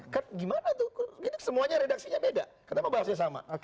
kan gimana tuh ini semuanya redaksinya beda kenapa bahasnya sama